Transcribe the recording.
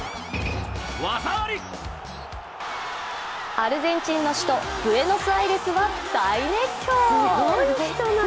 アルゼンチンの首都ブエノスアイレスは大熱狂！